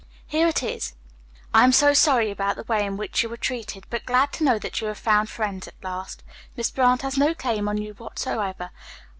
"Here it is: 'I am so sorry about the way in which you are treated, but glad to know that you have found friends at last. Miss Brant has no claim on you whatever.